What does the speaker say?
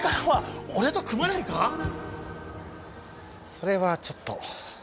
それはちょっと。